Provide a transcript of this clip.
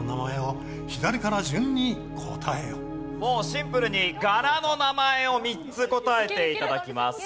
シンプルに柄の名前を３つ答えて頂きます。